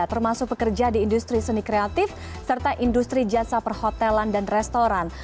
termasuk pekerja di industri seni kreatif serta industri jasa perhotelan dan restoran